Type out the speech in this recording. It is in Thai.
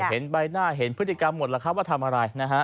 เห็นใบหน้าเห็นพฤติกรรมหมดแล้วว่าทำอะไร